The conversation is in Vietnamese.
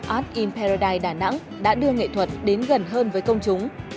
art in paradise đà nẵng đã đưa nghệ thuật đến gần hơn với công chúng